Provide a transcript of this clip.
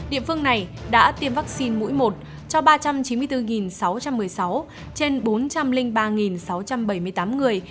địa phương này đã tiêm vaccine mũi một cho ba trăm chín mươi bốn sáu trăm một mươi sáu trên bốn trăm linh ba sáu trăm bảy mươi tám người